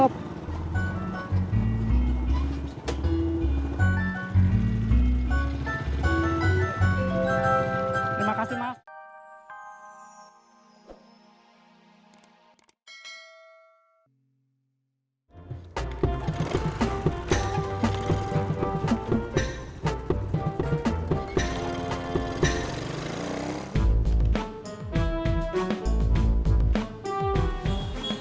terima kasih mas